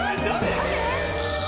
誰？